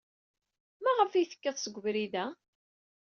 Maɣef ay tekkid seg ubrid-a?